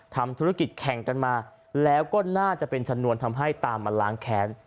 ทำธุรกิจแข่งกันมาแล้วก็น่าจะเป็นชนวนทำให้ตามมาล้างแค้น